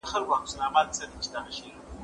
خواړه ورکړه،